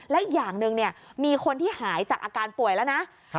และอีกอย่างหนึ่งมีคนที่หายจากอาการป่วยแล้วนะ